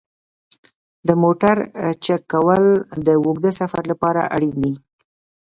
د موټر چک کول د اوږده سفر لپاره اړین دي.